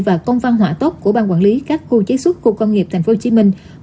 và công văn hòa tóc của ban quản lý các khu chế xuất khu công nghiệp tp hcm